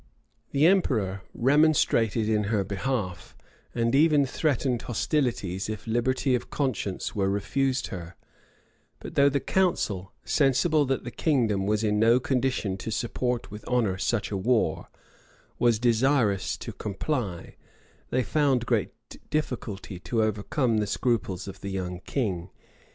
[] The emperor remonstrated in her behalf, and even threatened hostilities if liberty of conscience were refused her: but though the council, sensible that the kingdom was in no condition to support with honor such a war, was desirous to comply, they found great difficulty to overcome the scruples of the young king.